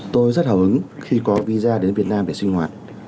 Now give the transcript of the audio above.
tôi rất hào hứng khi có visa đến việt nam để sinh hoạt